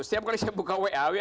setiap kali saya buka wa